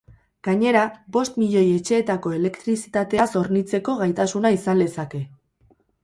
Gainera, bost milioi etxeetako elektrizitateaz hornitzeko gaitasuna izan lezake.